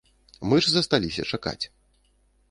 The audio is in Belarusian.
Мы ж засталіся чакаць.